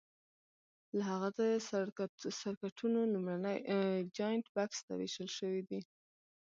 له هغه ځایه سرکټونو لومړني جاینټ بکس ته وېشل شوي دي.